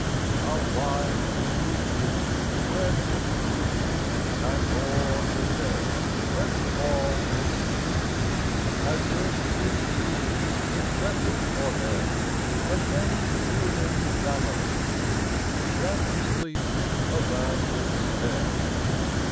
How wide the yew tree spreads its gloom, And o'er the dead lets fall its dew, As if in tears it wept for them, The many human families That sleep around its stem!